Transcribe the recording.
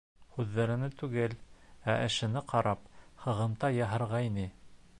Һүҙҙәренә түгел, ә эшенә ҡарап һығымта яһарға ине.